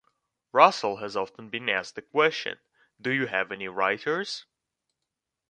Russell has often been asked the question, Do you have any writers?